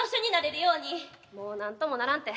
もう何ともならんて。